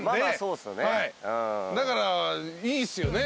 だからいいっすよね。